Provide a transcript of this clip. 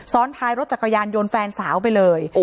ท้ายรถจักรยานยนต์แฟนสาวไปเลย